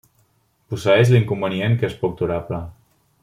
Posseeix l'inconvenient que és poc durable.